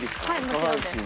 下半身。